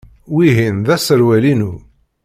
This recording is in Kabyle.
Wihin d aserwal-inu.